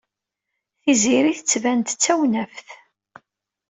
Tiziri tettban-d d tawnaft.